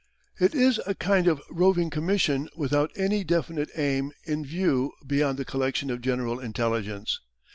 It is a kind of roving commission without any definite aim in view beyond the collection of general intelligence.